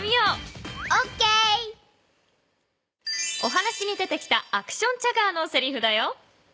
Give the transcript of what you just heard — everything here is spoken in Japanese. お話に出てきたアクションチャガーのせりふだよ。